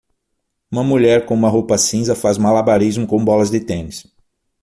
Uma mulher com uma roupa cinza faz malabarismo com bolas de tênis.